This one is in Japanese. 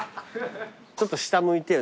ちょっと下向いてよ